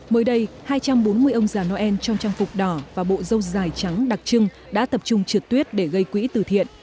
mới đây hai trăm bốn mươi ông già noel trong trang phục đỏ và bộ dâu dài trắng đặc trưng đã tập trung trượt tuyết để gây quỹ từ thiện